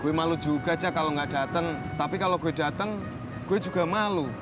gue malu juga cock kalau enggak dateng tapi kalau gue dateng gue juga malu